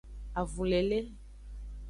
Avulele.